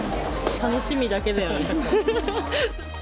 楽しみだけだよね。